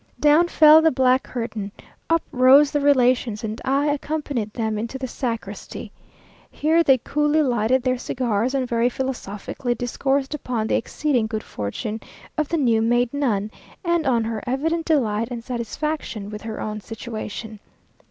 Down fell the black curtain. Up rose the relations, and I accompanied them into the sacristy. Here they coolly lighted their cigars, and very philosophically discoursed upon the exceeding good fortune of the new made nun, and on her evident delight and satisfaction with her own situation.